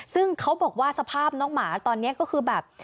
ซึ่งเขาบอกว่าสภาพน้องหมาตอนนี้ก็คือแบบ